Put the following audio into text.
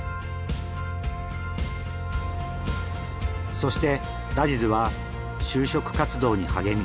そしてラジズは就職活動に励み